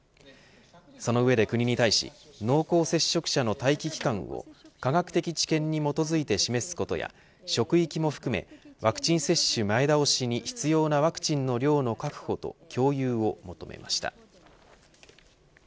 その上で国に対し濃厚接触者の待機期間を科学的知見に基づいて示すことや職域も含めワクチン接種前倒しに必要なワクチンの量の確保と共有を求めました。